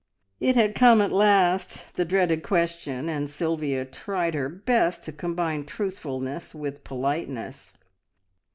It had come at last, the dreaded question, and Sylvia tried her best to combine truthfulness with politeness.